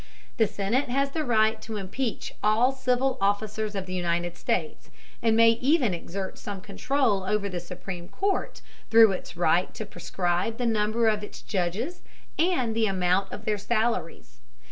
The Senate has the right to impeach all civil officers of the United States, and may even exert some control over the Supreme Court through its right to prescribe the number of its judges and the amount of their salaries.